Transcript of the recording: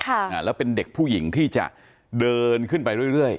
อ่าแล้วเป็นเด็กผู้หญิงที่จะเดินขึ้นไปเรื่อยเรื่อย